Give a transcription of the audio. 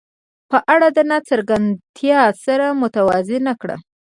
په اړه د ناڅرګندتیا سره متوازن کړه.